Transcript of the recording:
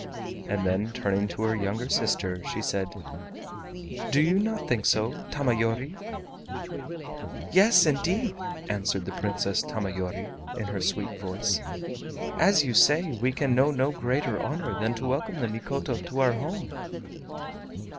And then turning to her younger sister, she said: "Do you not think so, Tamayori?" "Yes, indeed," answered the Princess Tamayori, in her sweet voice. "As you say, we can know no greater honor than to welcome the Mikoto to our home."